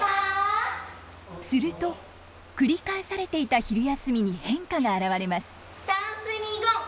すると繰り返されていた昼休みに変化が表れます。